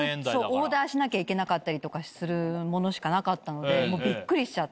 オーダーしなきゃいけなかったりするものしかなかったので。